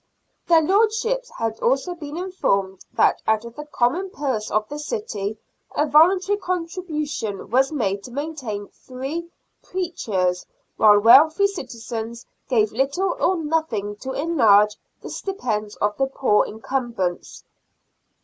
Their lordships had also been informed that out of the common purse of the city a voluntary contribution was made to maintain three " preachers," while wealthy citizens gave little or nothing to enlarge the stipends of the poor incumbents.